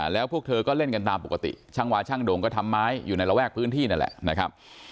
แล้วพวกเธอก็เล่นกันตามปกติช่างวาช่างโด่งก็ทำไม้อยู่ในระแวกพื้นที่นั่นแหละนะครับ